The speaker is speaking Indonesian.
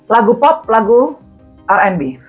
lagu pop atau lagu r b